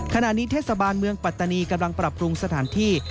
ขณะนี้เทศบาลเมืองปัตตานีกำลังปรับปรุงสถานที่